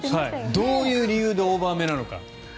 どういう理由でオーバーめなのか。